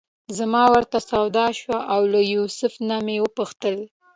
زما ورته سودا شوه او له یوسف نه مې وپوښتل.